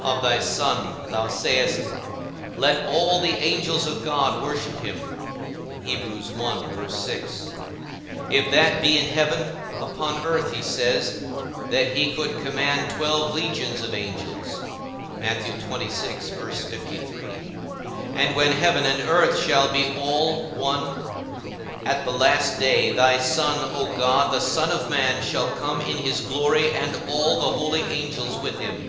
Of thy Son, thou sayest, Let all the angels of God worship him; if that be in heaven, upon earth he says, that he could command twelve legions of angels; and when heaven and earth shall be all one, at the last day, thy Son, O God, the Son of man, shall come in his glory, and all the holy angels with him.